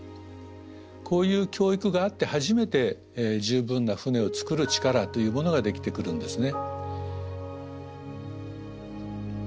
こういう教育があって初めて十分な船を造る力というものができてくるんですね。